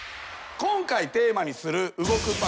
今回テーマにする動く！